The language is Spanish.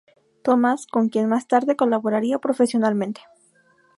Thomas con quien más tarde colaboraría profesionalmente.